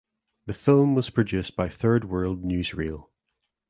The film was produced by Third World Newsreel.